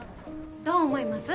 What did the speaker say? どう思います？